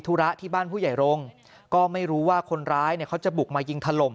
ธุระที่บ้านผู้ใหญ่รงก็ไม่รู้ว่าคนร้ายเขาจะบุกมายิง